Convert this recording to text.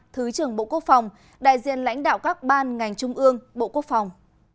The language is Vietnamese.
thứ trưởng bộ quốc phòng đại diện lãnh đạo các ban ngành trung ương bộ quốc phòng